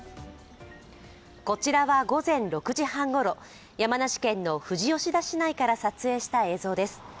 こちらは午前６時半ごろ山梨県の富士吉田市内から撮影した映像です。